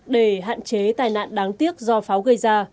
để hạn chế tai nạn đáng tiếc do pháo gây ra